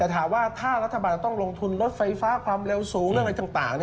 แต่ถ้ารัฐบาลต้องลงทุนรถไฟฟ้าความเเรวสูง